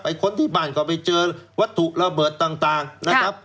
ค้นที่บ้านก็ไปเจอวัตถุระเบิดต่างนะครับ